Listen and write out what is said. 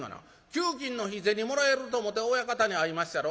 給金の日銭もらえると思て親方に会いまっしゃろ。